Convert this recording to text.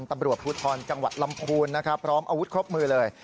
ตำรวจภูทรจังหวัดลำพูนนะครับพร้อมอาวุธครบมือเลย